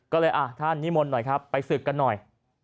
ก็เลยท่านนิมนต์หน่อยครับไปศึกกันหน่อย